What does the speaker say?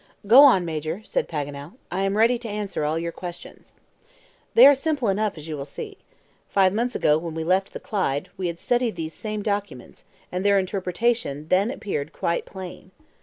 "Go on, Major," said Paganel; "I am ready to answer all your questions." "They are simple enough, as you will see. Five months ago, when we left the Clyde, we had studied these same documents, and their interpretation then appeared quite plain.